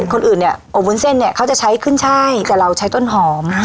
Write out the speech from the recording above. คนอื่นเนี่ยอบวุ้นเส้นเนี่ยเขาจะใช้ขึ้นช่ายแต่เราใช้ต้นหอม